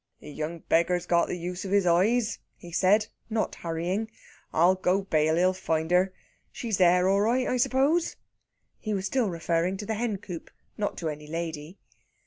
"The yoong beggar's got the use of his eyes," he said, not hurrying. "I'll go bail he'll find her. She's there all right, I suppose?" He was still referring to the hencoop, not to any lady.